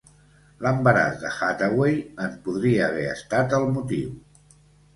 L'embaràs de Hathaway en podria haver estat el motiu.